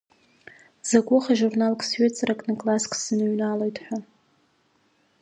Закәыхи жәурналк сҩыҵракны класск сныҩналоит ҳәа…